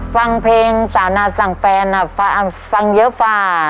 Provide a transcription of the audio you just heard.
ฟังเพลงสาวนาสั่งแฟนฟังเยอะฝ่า